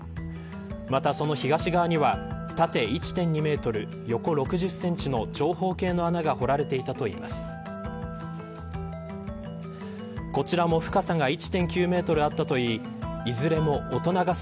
また、その東側には縦１．２メートル横６０センチの長方形の穴が掘られていたといいます。